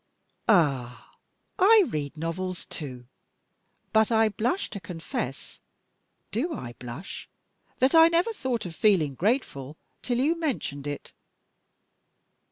"Ah! I read novels, too. But I blush to confess do I blush? that I never thought of feeling grateful till you mentioned it.